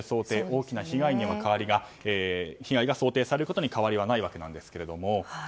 大きな被害が想定されることに変わりはないわけなんですけども。